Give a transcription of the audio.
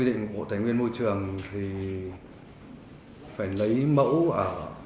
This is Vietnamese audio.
từ các nước mình làm có